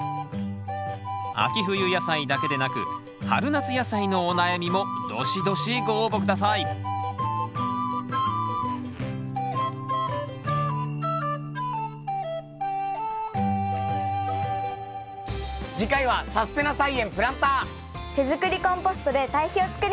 秋冬野菜だけでなく春夏野菜のお悩みもどしどしご応募下さい次回は手作りコンポストで堆肥を作ります。